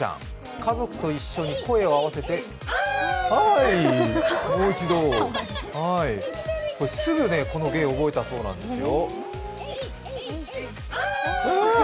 家族と一緒に声を合わせてすぐこの芸覚えたそうなんですよ。